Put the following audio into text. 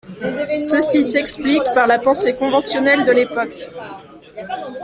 Ceci s'explique par la pensée conventionnelle de l'époque.